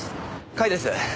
甲斐です。